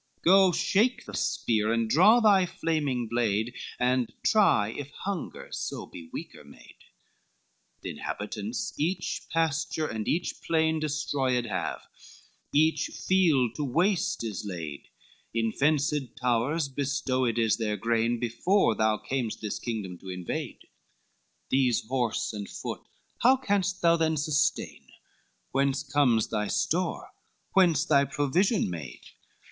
Go, shake the spear, and draw thy flaming blade, And try if hunger so be weaker made. LXXV "The inhabitants each pasture and each plain Destroyed have, each field to waste is laid, In fenced towers bestowed is their grain Before thou cam'st this kingdom to invade, These horse and foot, how canst them sustain? Whence comes thy store? whence thy provision made?